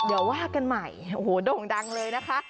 เดี๋ยวว่ากันใหม่โอ้โหโด่งดังเลยนะคะ